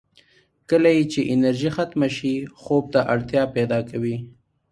کله یې چې انرژي ختمه شي، خوب ته اړتیا پیدا کوي.